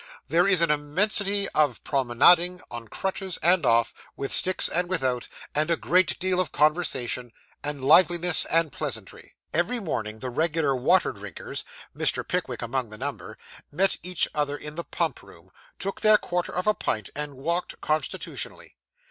There is an immensity of promenading, on crutches and off, with sticks and without, and a great deal of conversation, and liveliness, and pleasantry. Every morning, the regular water drinkers, Mr. Pickwick among the number, met each other in the pump room, took their quarter of a pint, and walked constitutionally.